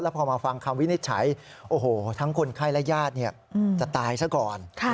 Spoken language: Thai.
พอมาฟังคำวินิจฉัยโอ้โหทั้งคนไข้และญาติจะตายซะก่อน